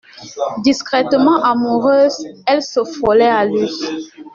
Discrètement amoureuse, elle se frôlait à lui.